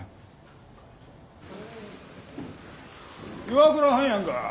岩倉はんやんか。